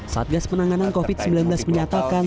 satgas penanganan covid sembilan belas menyatakan